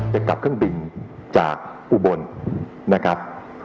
จะกลับเครื่องบินจากอุบลนะครับ